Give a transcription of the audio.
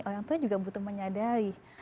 orang tua juga butuh menyadari